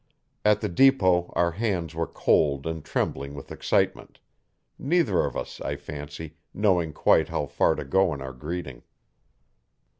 At the depot our hands were cold and trembling with excitement neither of us, I fancy, knowing quite how far to go in our greeting.